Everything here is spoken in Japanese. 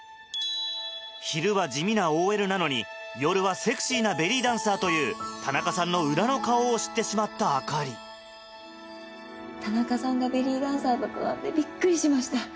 昼は地味なＯＬなのに夜はセクシーなベリーダンサーという田中さんの裏の顔を知ってしまった朱里田中さんがベリーダンサーだったなんてビックリしました。